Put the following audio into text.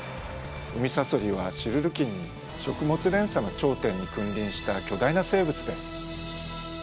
ウミサソリはシルル紀に食物連鎖の頂点に君臨した巨大な生物です。